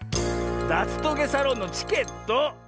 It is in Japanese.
だつトゲサロンのチケット！